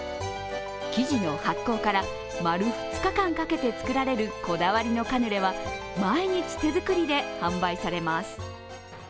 生地の発酵から丸２日間かけて作られるこだわりのカヌレは毎日手作りで販売されます。